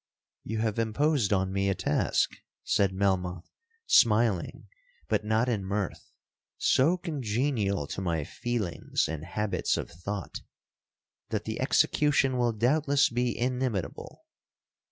'—'You have imposed on me a task,' said Melmoth smiling, but not in mirth, 'so congenial to my feelings and habits of thought, that the execution will doubtless be inimitable.